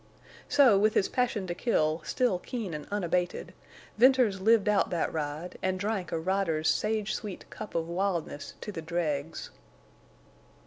So, with his passion to kill still keen and unabated, Venters lived out that ride, and drank a rider's sage sweet cup of wildness to the dregs.